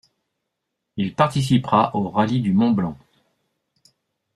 Il participera au rallye du Mont-Blanc.